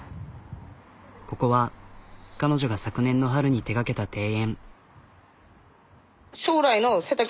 ここは彼女が昨年の春に手がけた庭園。